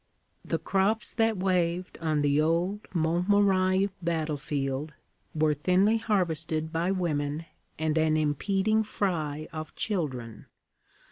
The crops that waved on the old Montmirail battlefield were thinly harvested by women and an impeding fry of children.